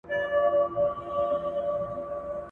چا پیران اوچا غوثان را ننګوله ..